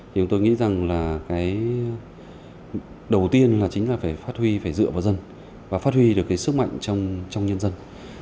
thì chúng tôi nghĩ rằng là cái đầu tiên là chính là phải phát huy phải dựa vào dân và phát huy được cái sức mạnh trong nhân dân